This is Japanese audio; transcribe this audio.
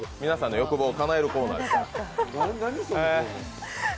皆さんの欲望をかなえるコーナーです。